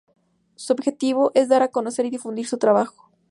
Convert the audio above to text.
Su objetivo es dar conocer y difundir su trabajo.